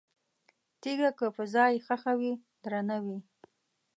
تیګه که په ځای ښخه وي، درنه وي؛